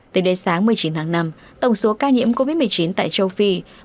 từ đêm sáng một mươi chín tháng năm tổng số ca nhiễm covid một mươi chín tại châu phi